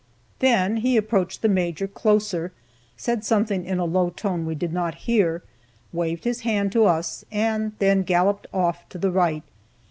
Then he approached the Major closer, said something in a low tone we did not hear, waved his hand to us, and then galloped off to the right.